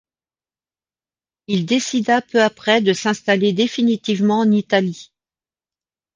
Il décida peu après de s'installer définitivement en Italie.